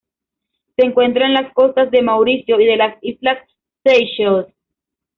Se encuentra en las costas de Mauricio y de las Islas Seychelles.